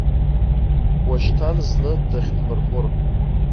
Уашьҭан зны дахьдмырхәыр.